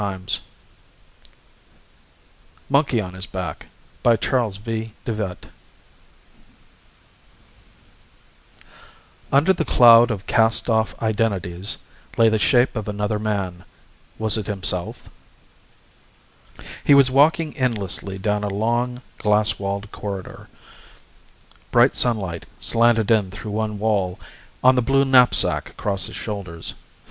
DE VET monkey on his back Under the cloud of cast off identities lay the shape of another man was it himself? Illustrated by DILLON He was walking endlessly down a long, glass walled corridor. Bright sunlight slanted in through one wall, on the blue knapsack across his shoulders.